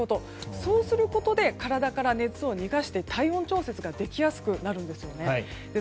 そうすることで体から熱を逃して体温調節ができやすくなるんです。